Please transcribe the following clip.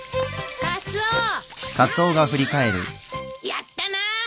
やったな！